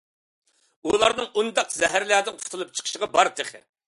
ئۇلارنىڭ ئۇنداق زەھەرلەردىن قۇتۇلۇپ چىقىشىغا بار تېخى.